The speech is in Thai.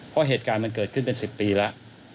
เพราะเหตุการณ์มันเกิดขึ้นเป็น๑๐ปีแล้ว